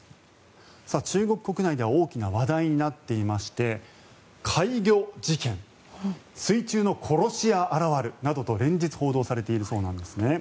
中国国内では大きな話題になっていまして怪魚事件水中の殺し屋現るなどと連日報道されているそうなんですね。